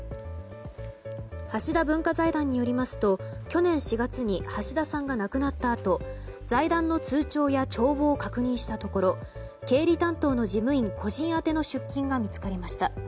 橋田文化財団によりますと去年４月に橋田さんが亡くなったあと財団の通帳や帳簿を確認したところ経理担当の事務員個人宛ての出金が見つかりました。